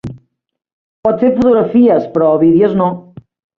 Pot fer fotografies, però vídeos no.